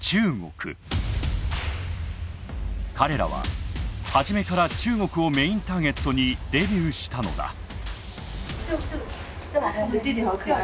彼らは初めから中国をメインターゲットにデビューしたのだ。